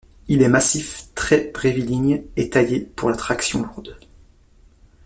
Il est massif, très bréviligne et taillé pour la traction lourde.